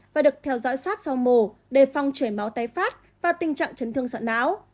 và được theo dõi sát sau mổ đề phong chảy máu tái phát và tình trạng chấn thương sọn não